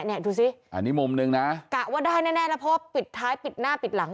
ดูสิอันนี้มุมหนึ่งนะกะว่าได้แน่แล้วเพราะว่าปิดท้ายปิดหน้าปิดหลัง